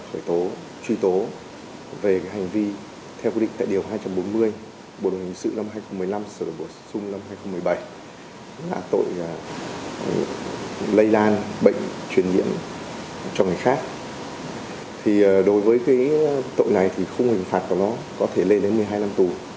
phải tố truy tố về hành vi theo quy định tại điều hai trăm bốn mươi bộ luật sư năm hai nghìn một mươi năm sửa đầm bộ xuống năm hai nghìn một mươi bảy